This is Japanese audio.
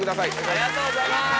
ありがとうございます！